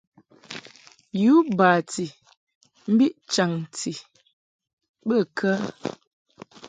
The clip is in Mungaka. U bati mbiʼ chanti bə kə ?